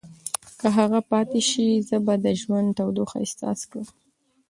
که هغه پاتې شي، زه به د ژوند تودوخه احساس کړم.